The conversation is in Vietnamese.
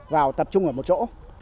vào tập trung ở một chỗ